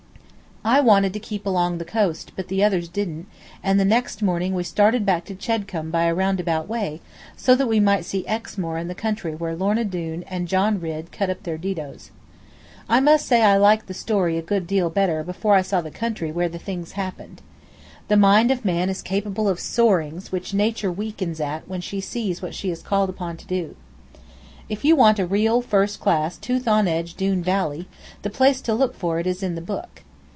I wanted to keep on along the coast, but the others didn't, and the next morning we started back to Chedcombe by a roundabout way, so that we might see Exmoor and the country where Lorna Doone and John Ridd cut up their didoes. I must say I liked the story a good deal better before I saw the country where the things happened. The mind of man is capable of soarings which Nature weakens at when she sees what she is called upon to do. If you want a real, first class, tooth on edge Doone valley, the place to look for it is in the book.